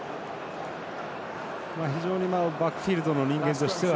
非常にバックフィールドの人間としては